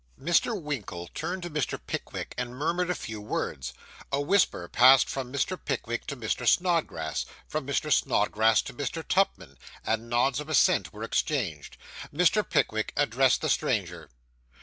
Mr. Winkle turned to Mr. Pickwick, and murmured a few words; a whisper passed from Mr. Pickwick to Mr. Snodgrass, from Mr. Snodgrass to Mr. Tupman, and nods of assent were exchanged. Mr. Pickwick addressed the stranger.